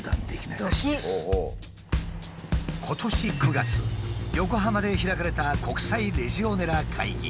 今年９月横浜で開かれた国際レジオネラ会議。